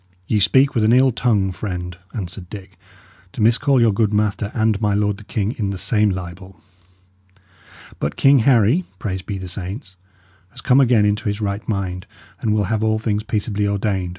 "Ye speak with an ill tongue, friend," answered Dick, "to miscall your good master and my lord the king in the same libel. But King Harry praised be the saints! has come again into his right mind, and will have all things peaceably ordained.